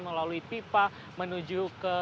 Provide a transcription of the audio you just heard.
melalui pipa menuju ke